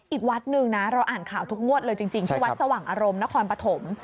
อีกวัดหนึ่งนะเราอ่านข่าวทุกงวดเลยจริงที่วัดสว่างอารมณ์นครปฐม